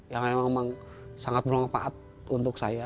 yang memang sangat bermanfaat untuk saya